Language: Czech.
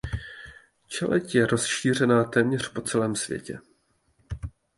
Čeleď je rozšířena téměř po celém světě.